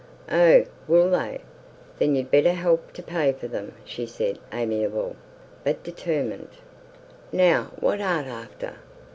"Oh, will they! Then you'd better help to pay for them," she said, amiably, but determined. "Now what art after?"